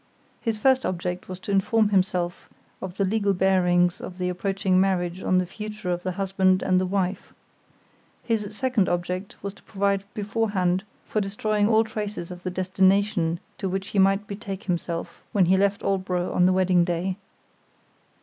His first object was to inform himself of the legal bearings of the approaching marriage on the future of the husband and the wife. His second object was to provide beforehand for destroying all traces of the destination to which he might betake himself when he left Aldborough on the wedding day.